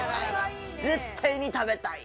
絶対に食べたい！